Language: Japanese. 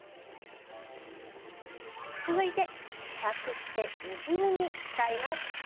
続いて希釈して煮汁に使います。